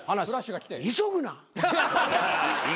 急ぐな。